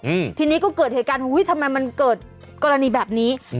อืมทีนี้ก็เกิดเหตุการณ์อุ้ยทำไมมันเกิดกรณีแบบนี้อืม